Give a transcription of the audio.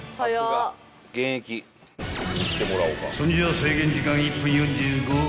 ［そんじゃ制限時間１分４５秒］